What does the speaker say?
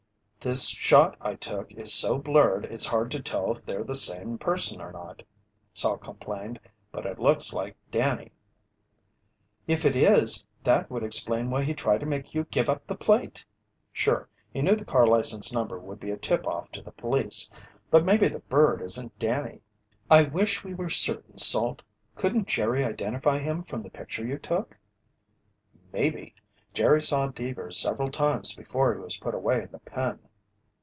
"This shot I took is so blurred, it's hard to tell if they're the same person or not," Salt complained. "But it looks like Danny." "If it is, that would explain why he tried to make you give up the plate." "Sure, he knew the car license number would be a tip off to the police. But maybe the bird isn't Danny." "I wish we were certain. Salt, couldn't Jerry identify him from the picture you took?" "Maybe. Jerry saw Deevers several times before he was put away in the pen."